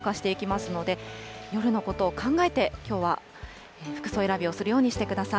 気温も急降下していきますので、夜のことを考えてきょうは服装選びをするようにしてください。